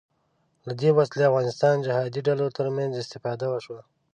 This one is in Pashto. له دې وسلې افغانستان جهادي ډلو تر منځ استفاده وشوه